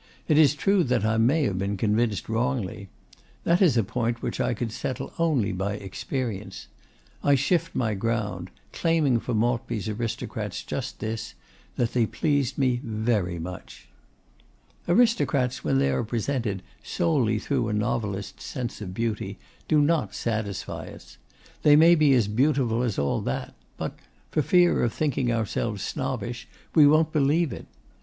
It is true that I may have been convinced wrongly. That is a point which I could settle only by experience. I shift my ground, claiming for Maltby's aristocrats just this: that they pleased me very much. Aristocrats, when they are presented solely through a novelist's sense of beauty, do not satisfy us. They may be as beautiful as all that, but, for fear of thinking ourselves snobbish, we won't believe it.